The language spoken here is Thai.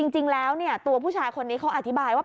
จริงแล้วตัวผู้ชายคนนี้เขาอธิบายว่า